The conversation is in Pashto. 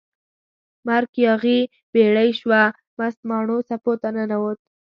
مرک یاغي بیړۍ شوه، مست ماڼو څپو ته ننووت